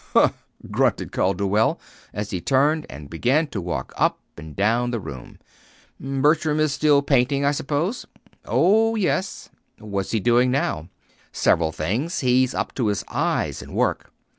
"Humph!" grunted Calderwell, as he turned and began to walk up and down the room. "Bertram is still painting, I suppose." "Oh, yes." "What's he doing now?" "Several things. He's up to his eyes in work.